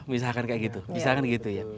misalkan kayak gitu